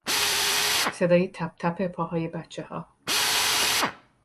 صدای تپ تپ پاهای بچهها